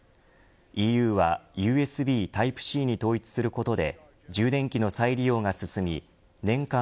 ＥＵはＵＳＢタイプＣに統一することで充電器の再利用が進み年間